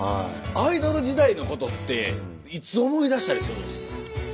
アイドル時代のことっていつ思い出したりするんですか？